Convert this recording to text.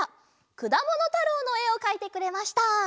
「くだものたろう」のえをかいてくれました。